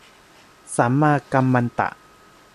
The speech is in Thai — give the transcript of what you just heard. สัมมากัมมันตะ